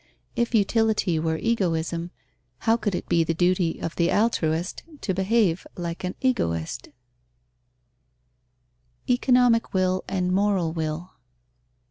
If utility were egoism, how could it be the duty of the altruist to behave like an egoist? _Economic will and moral will.